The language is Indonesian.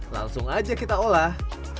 langsung aja kita olah